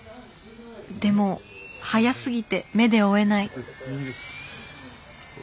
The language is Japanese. でも速すぎて目で追えない。